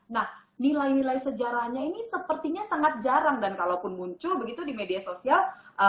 nah nilai nilai sejarahnya ini sepertinya sangat jarang dan kalaupun muncul begitu di media sosial